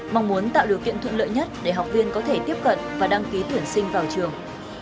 mong muốn tạo điều kiện thuận lợi nhất để học viên có thể tiếp cận và đăng ký tuyển sinh vào trường